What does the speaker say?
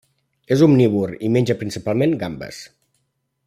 És omnívor i menja principalment gambes.